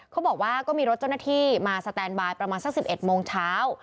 เขาบอกว่าก็มีรถเจ้าหน้าที่มาสแตนบายประมาณสัก๑๑โมงเช้า